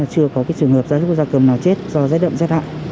chưa có trường hợp da súc da cầm nào chết do rất đậm giác hại